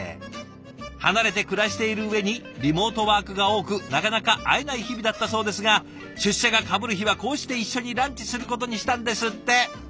離れて暮らしている上にリモートワークが多くなかなか会えない日々だったそうですが出社がかぶる日はこうして一緒にランチすることにしたんですって。